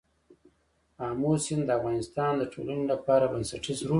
آمو سیند د افغانستان د ټولنې لپاره بنسټيز رول لري.